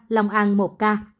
lòng an một ca